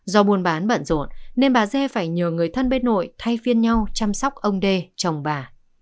do buồn bán bận rộn nên bà dê phải nhờ người thân bếp nội thay phiên nhau chăm sóc ông dê chồng bà